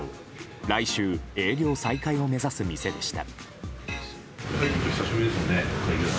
来週、営業再開を目指す店でした。